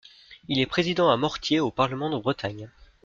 Il est Président à mortier au Parlement de Bretagne.